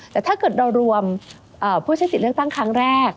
แต่ถ้าเกิดเรารวมผู้ใช้สิทธิ์เลือกตั้งครั้งแรก